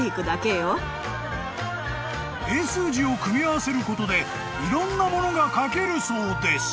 ［英数字を組み合わせることでいろんなものが描けるそうです］